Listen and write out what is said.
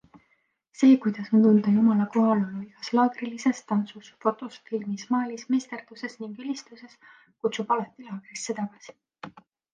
See, kuidas on tunda Jumala kohalolu igas laagrilises, tantsus, fotos, filmis, maalis, meisterduses ning ülistuses, kutsub alati laagrisse tagasi!